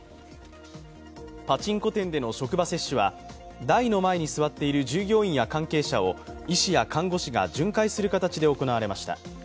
パチンコ店での職場接種は台の前に座っている従業員や関係ものを医師や看護師が巡回する形で行われました。